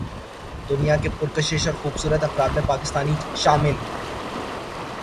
دنیا کے پرکشش اور خوبصورت افراد میں پاکستانی شامل